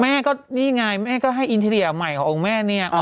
แม่ก็นี่ไงแม่ก็ให้อินเทรียใหม่ขององค์แม่เนี่ย